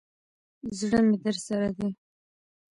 زړه مي درسره دی.